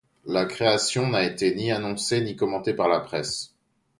La création n'a été ni annoncée ni commentée par la presse.